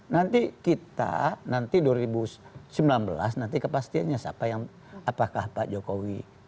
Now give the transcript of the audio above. nanti kita nanti dua ribu sembilan belas nanti kepastiannya siapa yang apakah pak jokowi